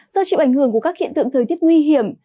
do chịu ảnh hưởng của các hiện tượng thời tiết nguy hiểm